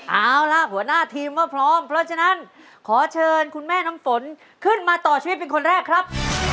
เอาล่ะหัวหน้าทีมว่าพร้อมเพราะฉะนั้นขอเชิญคุณแม่น้ำฝนขึ้นมาต่อชีวิตเป็นคนแรกครับ